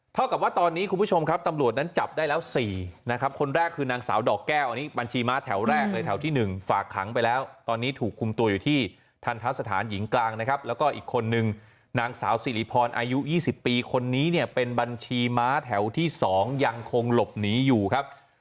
เท่ากับว่าตอนนี้คุณผู้ชมครับตำรวจนั้นจับได้แล้ว๔นะครับคนแรกคือนางสาวดอกแก้วอันนี้บัญชีม้าแถวแรกเลยแถวที่๑ฝากขังไปแล้วตอนนี้ถูกคุมตัวอยู่ที่ทันทะสถานหญิงกลางนะครับแล้วก็อีกคนนึงนางสาวสิริพรอายุ๒๐ปีคนนี้เนี่ยเป็นบัญชีม้าแถวที่๒ยังคงหลบหนีอยู่ครับ